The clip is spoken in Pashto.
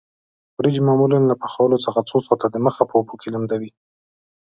وریجې معمولاً له پخولو څخه څو ساعته د مخه په اوبو کې لمدوي.